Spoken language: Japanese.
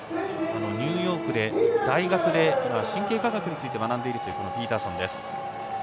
ニューヨークの大学で今、神経科学について学んでいるというピーターソンです。